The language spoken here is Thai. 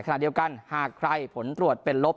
ขณะเดียวกันหากใครผลตรวจเป็นลบ